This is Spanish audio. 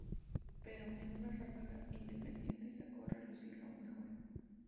Pero, en una ráfaga, Independiente sacó a relucir lo mejor.